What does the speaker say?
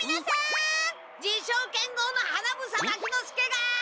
自称剣豪の花房牧之介が！